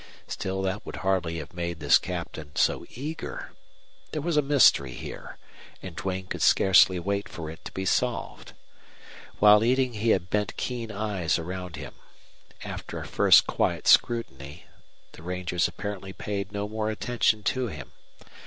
Still that would hardly have made this captain so eager. There was a mystery here, and Duane could scarcely wait for it to be solved. While eating he had bent keen eyes around him. After a first quiet scrutiny the rangers apparently paid no more attention to him.